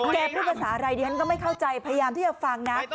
พูดภาษาอะไรดิฉันก็ไม่เข้าใจพยายามที่จะฟังนะ